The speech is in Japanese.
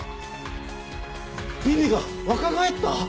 ビビが若返った！？